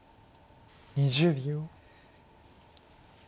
２０秒。